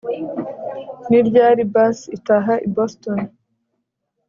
Ni ryari bus itaha i Boston